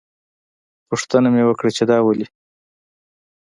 پوښتنه مې وکړه چې دا ولې.